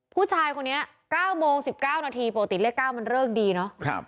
ผู้หญิงนี้๙นาทีปกติแรกเรื่องนี้มันเลิกดีเนาะ